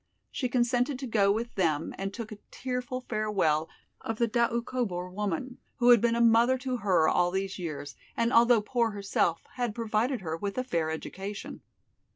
She consented to go with them and took a tearful farewell of the Doukhobor woman, who had been a mother to her all these years, and although poor herself, had provided her with a fair education.